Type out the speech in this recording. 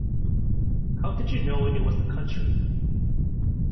How did you know it was the country?